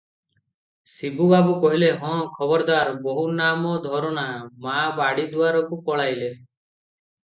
ଶିବୁବାବୁ କହିଲେ, "ହଁ ଖବରଦାର, ବୋହୂ ନାମ ଧର ନା!" ମା ବାଡ଼ି ଦୁଆରକୁ ପଳାଇଲେ ।